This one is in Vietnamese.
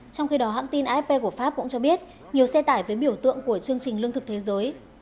trong khi đó hãng tin afp của pháp cũng cho biết nhiều xe tải với biểu tượng của chương trình lương thực thế giới